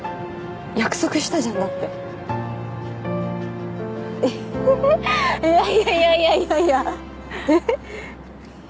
約束したじゃんだってえっははっいやいやいやいやえっ？